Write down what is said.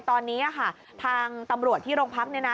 ตอนนี้ค่ะทางตำรวจที่โรงพักษณ์นี่นะ